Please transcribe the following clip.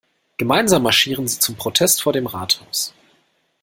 Gemeinsam marschieren sie zum Protest vor dem Rathaus.